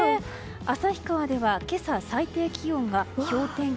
旭川では今朝最低気温が氷点下